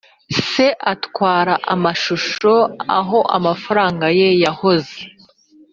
“se atwara amashusho aho amafaranga ye yahoze.